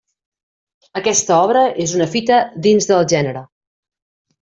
Aquesta obra és una fita dins del gènere.